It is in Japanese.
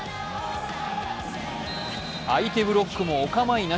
相手ブロックもお構いなし。